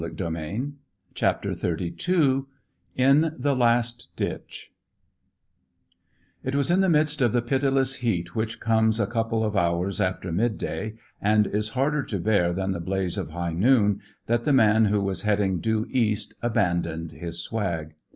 CHAPTER XXXII IN THE LAST DITCH It was in the midst of the pitiless heat which comes a couple of hours after midday, and is harder to bear than the blaze of high noon, that the man who was heading due east abandoned his swag.